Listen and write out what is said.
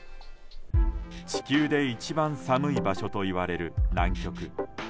地球で一番寒い場所といわれる南極。